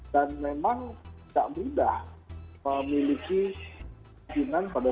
dan memang tidak mudah memiliki keinginan yang berbeda